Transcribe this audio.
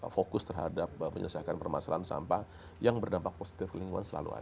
fokus terhadap menyelesaikan permasalahan sampah yang berdampak positif lingkungan selalu ada